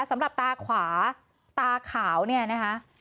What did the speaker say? สำหรับตาขวาตาขาวเนี่ยนะคะ